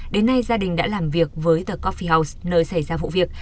đến nay gia đình đã làm việc với the coffee house nơi xảy ra vụ việc